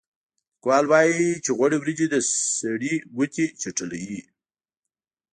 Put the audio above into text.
لیکوال وايي چې غوړې وریجې د سړي ګوتې چټلوي.